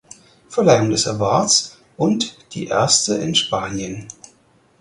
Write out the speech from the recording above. Verleihung des Awards und die erste in Spanien.